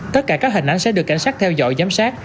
tất cả các hình ảnh sẽ được cảnh sát theo dõi giám sát